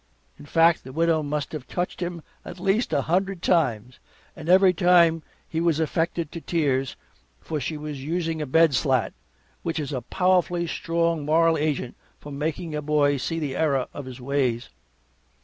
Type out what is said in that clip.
In fact, the Widow must have touched him at least a hundred times and every time he was affected to tears, for she was using a bed slat, which is a powerfully strong moral agent for making a boy see the error of his ways.